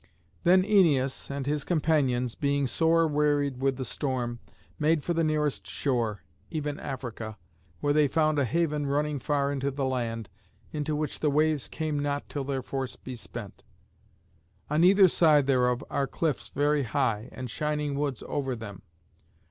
Then Æneas and his companions, being sore wearied with the storm, made for the nearest shore, even Africa, where they found a haven running far into the land, into which the waves come not till their force be spent. On either side thereof are cliffs very high, and shining woods over them.